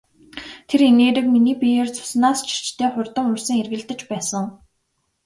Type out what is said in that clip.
Тэр энерги миний биеэр цуснаас ч эрчтэй хурдан урсан эргэлдэж байсан.